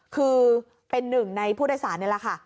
คือเป็นหนึ่งในผู้โดยสารนี่แหละค่ะ